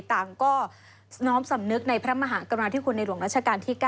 ต่างก็น้อมสำนึกในพระมหากรุณาธิคุณในหลวงราชการที่๙